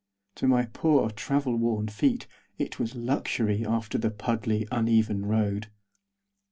To my poor, travel worn feet, it was luxury after the puddly, uneven road.